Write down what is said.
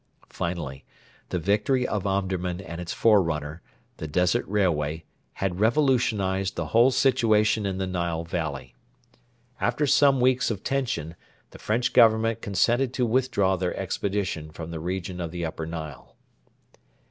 Finally, the victory of Omdurman and its forerunner the Desert Railway had revolutionised the whole situation in the Nile valley. After some weeks of tension, the French Government consented to withdraw their expedition from the region of the Upper Nile.